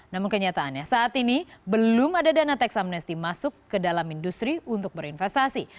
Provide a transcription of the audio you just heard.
namun kenyataannya saat ini belum ada dana teks amnesti masuk ke dalam industri untuk berinvestasi